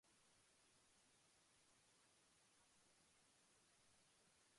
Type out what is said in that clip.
The community is where children are exposed to diverse cultures, values, and social norms.